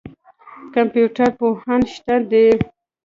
کمپیوټر پوهان شته دي.